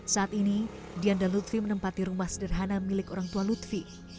saat ini dian dan lutfi menempati rumah sederhana milik orang tua lutfi